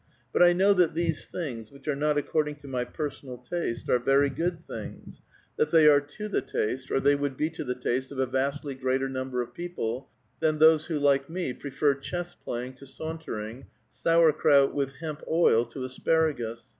But I know that these things, which are not according to my per sonal taste, are very good things ; that they are to the taste, 224 A VITAL QUESTION. or they would be to the taste of a vastly greater number of people than those who, like me, prefer chess playing to saun teriijg« sauerkraut with hemp oil to asparagus.